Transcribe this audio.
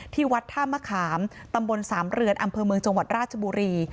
ที่วัดท่ามะขามตำบลสามเรือนอำเภอเมืองจังหวัดราชบุรี